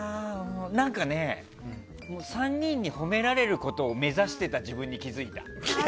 何かね、３人に褒められることを目指してた自分に気づいた。